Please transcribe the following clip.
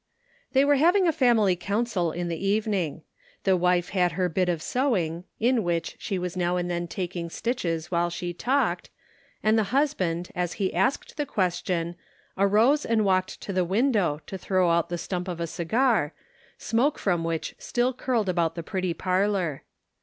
They were having a family council in the evening. The wife had her bit of sewing, in which she was now and then taking stitches while she talked, and the husband, as he asked the question, arose and walked to the window to throw out the stump of a cigar, smoke from which still curled about the pretty parlor.